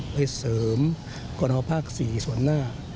เพื่อเสริมกรณภาพภาคสี่ส่วนหน้า